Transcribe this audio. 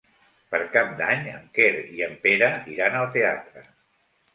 Per Cap d'Any en Quer i en Pere iran al teatre.